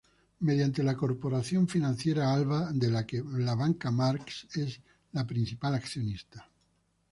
Mediante la Corporación Financiera Alba, de la que Banca March es el principal accionista.